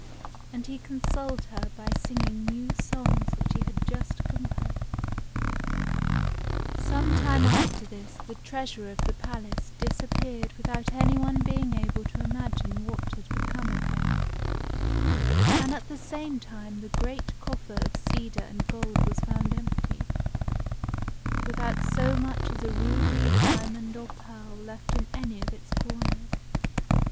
And he consoled her by singing new songs which he had just composed. Some time after this the Treasurer of the palace disap peared without any one being able to imagine what had become of him; and at the same time the great coffer of cedar and gold was found empty, without so much as a ruby, diamond, or pearl left in any of its corners.